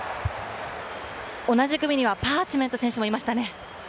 同じ組にはパーチメント選手もいましたね。